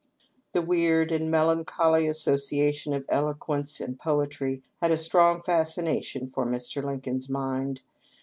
The weird and melancholy association of eloquence and poetry had a strong fascination for Mr. Lincoln's mind.